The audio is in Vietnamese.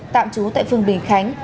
tạm chú tại phường bình khánh